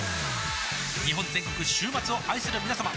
日本全国週末を愛するみなさま